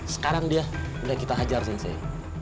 sekarang dia sudah kita hajar sensei